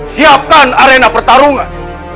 siapkan arena pertarungan